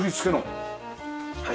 はい。